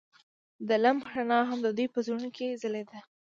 د لمحه رڼا هم د دوی په زړونو کې ځلېده.